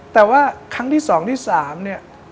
แต่ว่าครั้งที่๒ที่๓เนี่ย